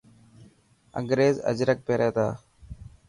انگريز اجرڪ پيري تا.